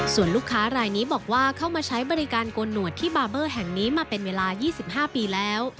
ส่วนลูกค้ารายนี้บอกว่าเข้ามาใช้บริการโกนหนวดที่บาร์เบอร์แห่งนี้มาเป็นเวลา๒๕ปีแล้ว